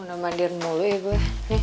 udah mandir mulu ya gue